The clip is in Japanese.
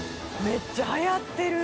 めっちゃはやってる。